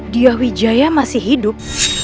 dia wijaya masih hidup